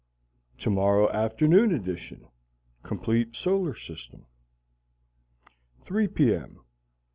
Tomorrow Afternoon Edition Complete solar system 3 P. M.